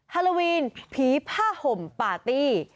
ฮาโลวีนผีผ้าห่มปาร์ตี้